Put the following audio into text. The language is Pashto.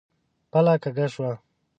پله کږه شوه.